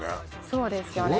そうですよね